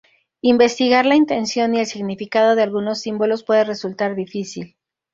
Investigar la intención y el significado de algunos símbolos puede resultar difícil.